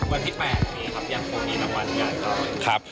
วันที่๘นี้นะครับยังคงมีรางวัลอย่างน้อย